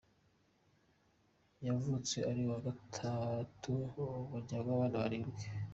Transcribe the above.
Yavutse ari uwa gatatu mu muryango w’abana barindwi.